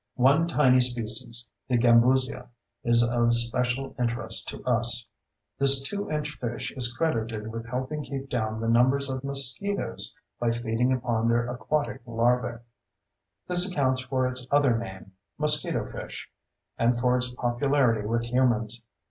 One tiny species, the gambusia, is of special interest to us. This 2 inch fish is credited with helping keep down the numbers of mosquitoes by feeding upon their aquatic larvae. This accounts for its other name—mosquito fish—and for its popularity with humans.